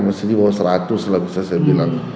masih di bawah seratus lah bisa saya bilang